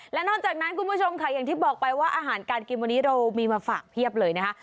และนอกจากนั้นคุณผู้ชมค่ะอย่างที่บอกไปว่าอาหารการกินวันนี้เรามีมาฝากเพียบเลยนะคะ